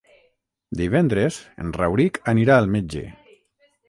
Divendres en Rauric anirà al metge.